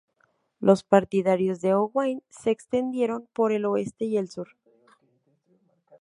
Los partidarios de Owain se extendieron por el oeste y el sur.